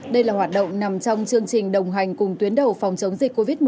đây là hoạt động nằm trong chương trình đồng hành cùng tuyến đầu phòng chống dịch covid một mươi chín